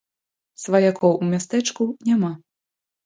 Сваякоў у мястэчку няма.